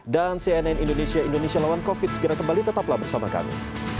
dan cnn indonesia indonesia lawan covid segera kembali tetaplah bersama kami